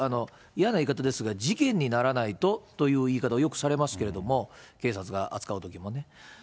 嫌な言い方ですが、事件にならないと、という言い方をよくされますけれども、警察が扱うときもね。